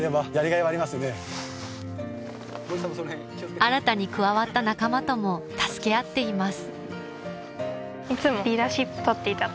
新たに加わった仲間とも助け合っています